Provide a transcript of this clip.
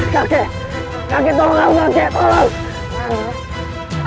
kakek kakek tolong kakek tolong